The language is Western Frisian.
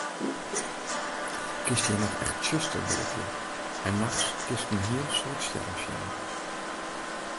Kinst hjir noch echt tsjuster belibje en nachts kinst in hiel soad stjerren sjen.